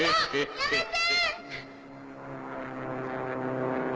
やめて！